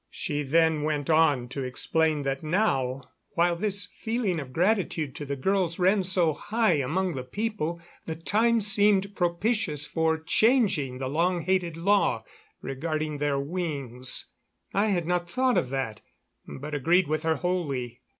She then went on to explain that now, while this feeling of gratitude to the girls ran so high among the people, the time seemed propitious for changing the long hated law regarding their wings. I had not thought of that, but agreed with her wholly.